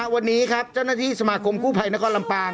วันนี้ครับเจ้าหน้าที่สมาคมกู้ภัยนครลำปาง